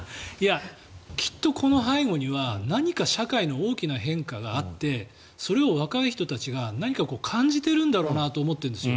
きっとこの背後には何か社会の大きな変化があってそれを若い人たちが何か感じているんだろうなと思っているんですよ。